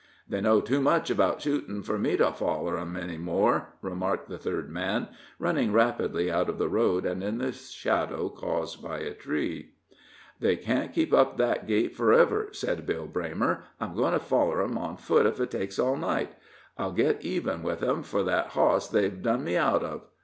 "They know too much about shootin' for me to foller 'em any more," remarked the third man, running rapidly out of the road and in the shadow caused by a tree. "They can't keep up that gait for ever," said Bill Braymer. "I'm goin' to foller 'em on foot, if it takes all night; I'll get even with em for that hoss they've done me out of."